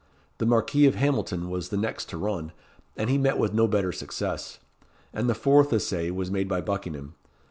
The Marquis of Hamilton was the next to run, and he met with no better success; and the fourth essay was made by Buckingham.